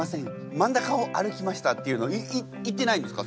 真ん中を歩きました」っていうの言ってないんですか？